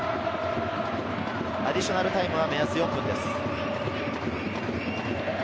アディショナルタイムは目安４分です。